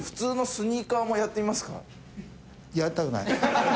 やりたくない。